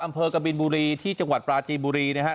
อำเภอกับปราจีนบุรีที่จังหวัดปราจีนบุรีนะครับ